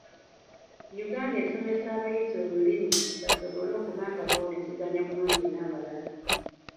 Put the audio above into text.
Uganda esomesa abayizi olulimi basobole okuba nga bawuliziganya bulungi n'abalala.